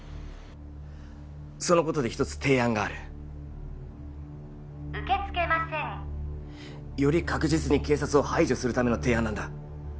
そのことで一つ提案がある受け付けませんより確実に警察を排除するための提案なんだ